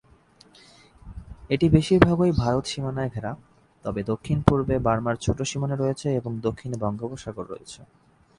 এটি বেশিরভাগই ভারত সীমানা ঘেরা, তবে দক্ষিণ-পূর্বে বার্মার ছোট সীমানা রয়েছে এবং দক্ষিণে বঙ্গোপসাগর রয়েছে।